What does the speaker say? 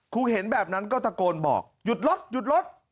เห็นแบบนั้นก็ตะโกนบอกหยุดรถหยุดรถ